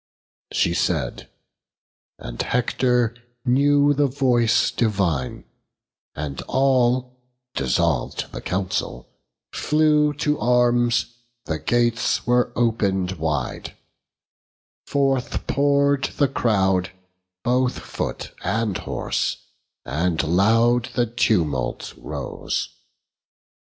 She said; and Hector knew the voice divine, And all, dissolv'd the council, flew to arms, The gates were open'd wide; forth pour'd the crowd, Both foot and horse; and loud the tumult rose.